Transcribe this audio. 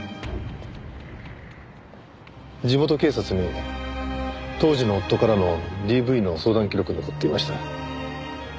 地元警察に当時の夫からのＤＶの相談記録が残っていました。